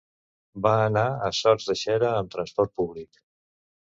Va anar a Sot de Xera amb transport públic.